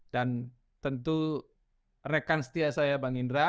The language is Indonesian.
tentu rekan setia saya bang indra